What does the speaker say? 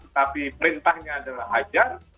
tapi perintahnya adalah ajar